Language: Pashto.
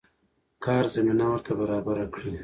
کار زمينه ورته برابره کړي.